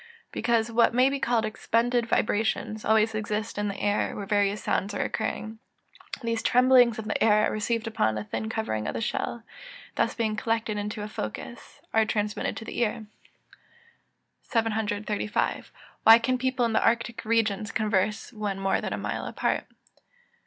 _ Because what may be called expended vibrations always exist in air where various sounds are occurring. These tremblings of the air are received upon the thin covering of the shell, and thus being collected into a focus, are transmitted to the ear. 735. _Why can people in the arctic regions converse when more than a mile apart?